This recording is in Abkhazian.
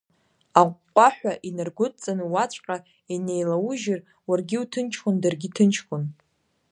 Аҟәҟәаҳәа инаргәыдҵаны уаҵәҟьа инеилаужьыр, уаргьы уҭынчхон, даргьы ҭынчхон…